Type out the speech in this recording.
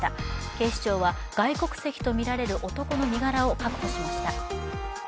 警視庁は、外国籍とみられる男の身柄を確保しました。